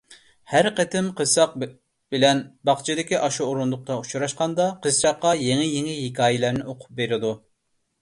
ھەر قېتىم قىزچاق بىلەن باغچىدىكى ئاشۇ ئورۇندۇقتا ئۇچراشقاندا، قىزچاققا يېڭى-يېڭى ھېكايىلەرنى ئوقۇپ بېرىدۇ.